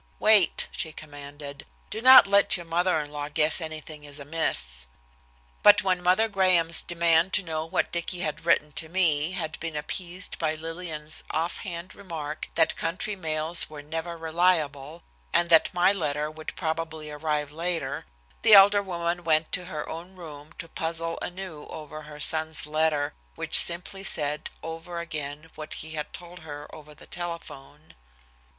"Wait," she commanded. "Do not let your mother in law guess anything is amiss." But when Mother Graham's demand to know what Dicky had written to me had been appeased by Lillian's offhand remark that country mails were never reliable, and that my letter would probably arrive later, the elder woman went to her own room to puzzle anew over her son's letter, which simply said over again what he had told her over the telephone.